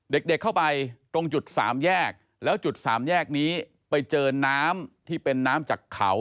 เด็กเข้าไปตรงจุดสามแยกแล้วจุดสามแยกนี้ไปเจอน้ำที่เป็นน้ำจากเขา